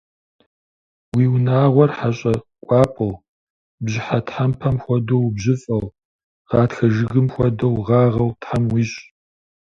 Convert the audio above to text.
Уи унагъуэр хьэщӏэ кӏуапӏэу, бжьыхьэ тхьэмпэм хуэдэу убжьыфӏэу, гъатхэ жыгым хуэдэу угъагъэу Тхьэм уищӏ!